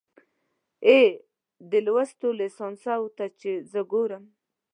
اې، دې لوستو ليسانسو ته چې زه ګورم